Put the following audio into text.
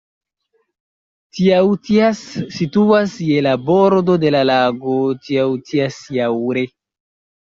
Tjautjas situas je la bordo de la lago Tjautjasjaure.